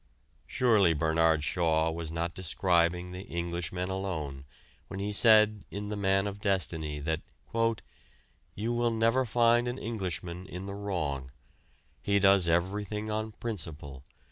Surely Bernard Shaw was not describing the Englishman alone when he said in "The Man of Destiny" that "... you will never find an Englishman in the wrong. He does everything on principle.